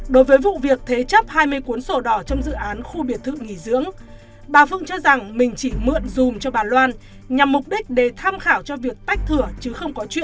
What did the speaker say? đối với vụ việc thế chấp hai mươi cuốn sổ đỏ trong dự án khu biệt thự nghỉ dưỡng bà phương cho rằng mình chỉ mượn dùm cho bà loan nhằm mục đích để tham khảo cho việc tách thửa chứ không có chuyện